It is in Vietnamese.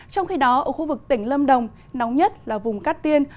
trong khi đó ở khu vực tỉnh lâm đồng nóng nhất là vùng cát tiên